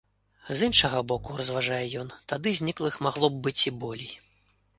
З іншага боку, разважае ён, тады зніклых магло б быць і болей.